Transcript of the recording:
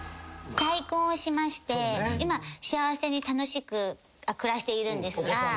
再婚をしまして今幸せに楽しく暮らしているんですが。